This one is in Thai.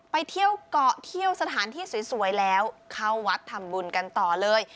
ไปเที่ยวเกาะเที่ยวสถานที่สวยแล้วเข้าวัดทำบุญกันต่อเลย